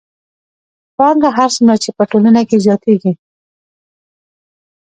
پانګه هر څومره چې په ټولنه کې زیاتېږي